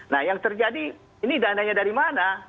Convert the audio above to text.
nah yang terjadi ini dana nya dari mana